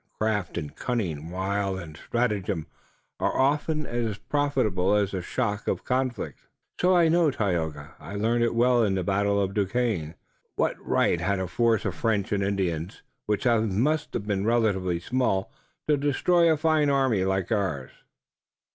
Craft and cunning, wile and stratagem are often as profitable as the shock of conflict." "So I know, Tayoga. I learned it well in the battle by Duquesne. What right had a force of French and Indians which must have been relatively small to destroy a fine army like ours!"